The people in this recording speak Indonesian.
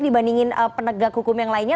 dibandingin penegak hukum yang lainnya